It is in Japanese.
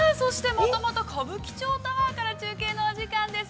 またまた歌舞伎町タワーから中継のお時間です。